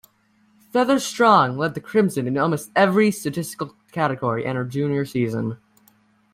Feaster-Strong led the Crimson in almost every statistical category in her junior season.